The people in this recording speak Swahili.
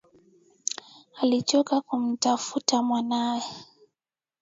Alichoka kumtafuta mwanawe